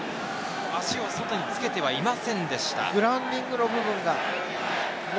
脚を外につけてはいませんでした。